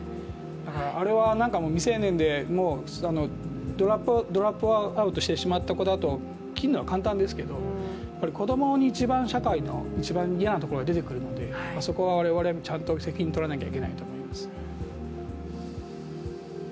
あれは未成年でドロップアウトしてしまった子だと切るのは簡単ですけど子供に社会の一番嫌なところ出てくるので、そこは我々も責任をとらないといけないです。